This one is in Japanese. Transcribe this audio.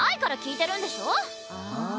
ああ。